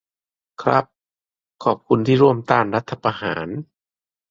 ครับ ขอบคุณที่ร่วมต้านรัฐประหาร